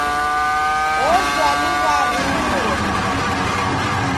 Ofwa luw'aru lumweri.